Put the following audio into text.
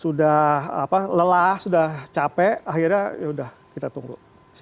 sudah lelah sudah capek akhirnya yaudah kita tunggu